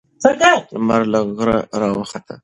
لمر له غره راوخوت.